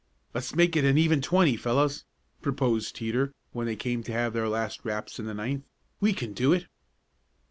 "Let's make it an even 20 fellows!" proposed Teeter when they came to have their last raps in the ninth. "We can do it!"